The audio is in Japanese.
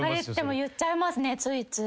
言っちゃいますねついつい。